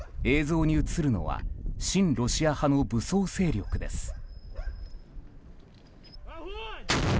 映像に映るのは親ロシア派の武装勢力です。